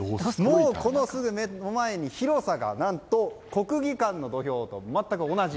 すぐ目の前に広さが何と国技館の土俵と全く同じ。